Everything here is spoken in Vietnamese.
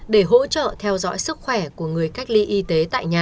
để hỗ trợ theo dõi sức khỏe của người cách ly y tế